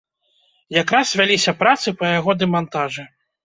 Якраз вяліся працы па яго дэмантажы.